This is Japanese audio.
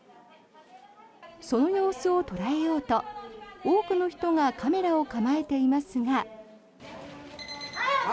その様子を捉えようと多くの人がカメラを構えていますが。